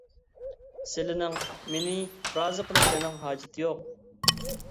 سىلىنىڭ مېنى رازى قىلىشلىرىنىڭ ھاجىتى يوق.